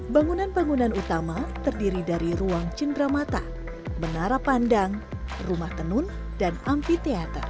bangunan bangunan utama terdiri dari ruang cendramata benara pandang rumah tenun dan ampiteater